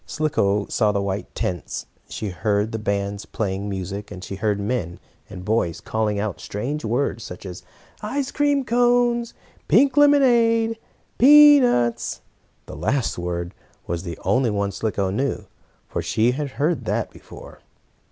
Slicko saw the white tents, she heard the bands playing music, she heard men and boys calling out strange words, such as "ice cream cones!" "pink lemonade!" and "peanuts!" The last word was the only one Slicko knew, for she had heard that before.